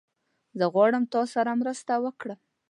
زه غواړم تاسره مرسته وکړم